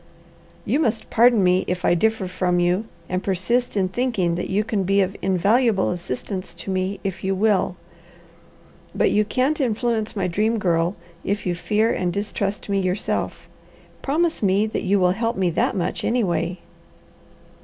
"You must pardon me if I differ from you, and persist in thinking that you can be of invaluable assistance to me, if you will. But you can't influence my Dream Girl, if you fear and distrust me yourself. Promise me that you will help me that much, anyway."